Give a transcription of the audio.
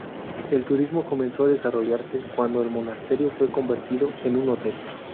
El turismo comenzó a desarrollarse cuando el monasterio fue convertido en un hotel.